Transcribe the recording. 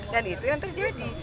dan itu yang terjadi